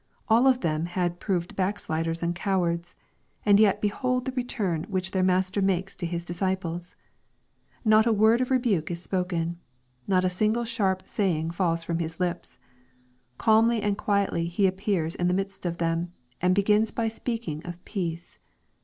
All of them had proved backsliders and cowards. And yet behold the re turn which their Master makes to His disciples ! Not a word of rebuke is spoken. Not a single sharp saying falls from His lips. Calmly and quietly He appears in the midst of them, and begins by speaking of peace.